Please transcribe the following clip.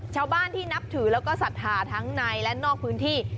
ชาวบ้านที่นับถือแล้วก็ศรัทธาทั้งในและนอกพื้นที่